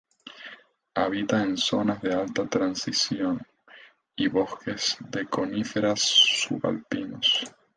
Habita en zonas de alta transición y bosques de coníferas subalpinos.